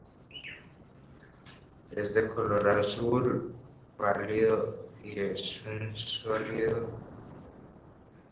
Es de color azul pálido y es un sólido gelatinoso.